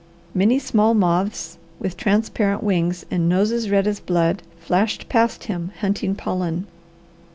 Many small moths, with transparent wings and noses red as blood, flashed past him hunting pollen.